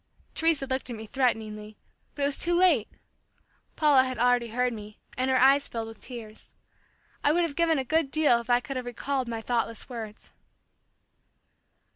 Teresa looked at me threateningly, but it was too late! Paula had already heard me and her eyes filled with tears. I would have given a good deal if I could have recalled my thoughtless words.